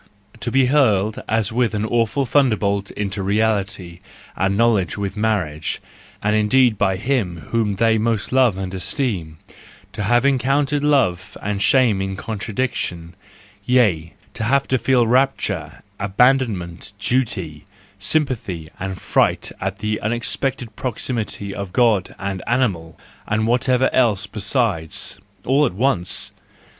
To be hurled as with an awful thunderbolt into reality and knowledge with marriage—and indeed by him whom they most love and esteem: to have to encounter love and shame in contradiction, yea, to Have to feel rapture, abandonment, duty, sympathy, and fright at the unexpected proximity of God and animal, and whatever else besides! all at once!